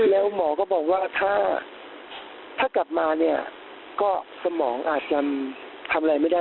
แล้วหมอก็บอกว่าถ้ากลับมาเนี่ยก็สมองอาจจะทำอะไรไม่ได้